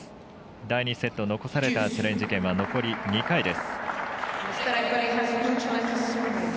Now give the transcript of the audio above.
第２セット残されたチャレンジ権は残り２回です。